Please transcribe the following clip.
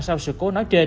sau sự cố nói trên